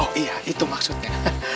oh iya itu maksudnya